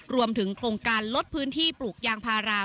รวมถึงโครงการลดพื้นที่ปลูกยางพารา